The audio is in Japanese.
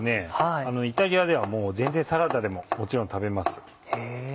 イタリアでは全然サラダでももちろん食べます。